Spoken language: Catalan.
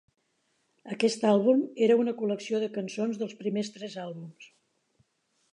Aquest àlbum era una col·lecció de cançons dels primers tres àlbums.